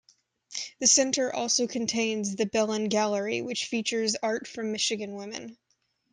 The Center also contains the Belen Gallery, which features art from Michigan women.